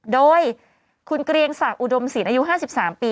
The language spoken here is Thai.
โดยคุณเกรียงศักดิอุดมศิลปอายุ๕๓ปี